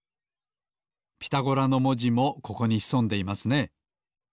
「ピタゴラ」のもじもここにひそんでいますね。